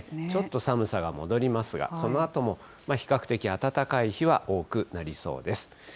ちょっと寒さが戻りますが、そのあとも比較的暖かい日は多くなりそうです。